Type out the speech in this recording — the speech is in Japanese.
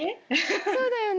そうだよね。